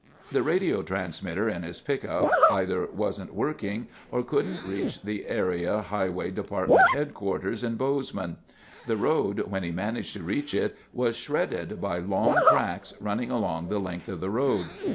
The radio transmitter in his pickup either wasn't working, or couldn't reach the area Highway Department HQ in Bozeman. The road, when he managed to reach it, was shredded by long cracks, running along the length of the road.